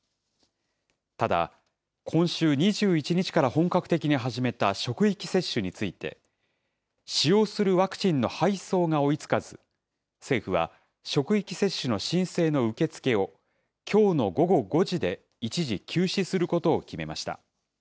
ただ、今週２１日から本格的に始めた職域接種について、使用するワクチンの配送が追いつかず、政府は、職域接種の申請の受け付けをきょうの午後５時で一時休止することを決めました。